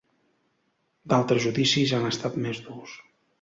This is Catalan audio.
D'altres judicis han estat més durs.